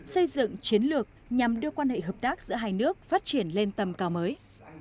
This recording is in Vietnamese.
xây dựng chiến lược nhằm đưa quan hệ hợp tác giữa hai nước phát triển lên tầm cao mới